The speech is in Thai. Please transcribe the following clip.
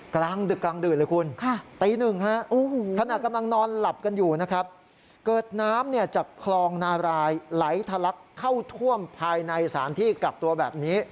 กลางดึกกลางดื่นเลยคุณตี๑ฮะ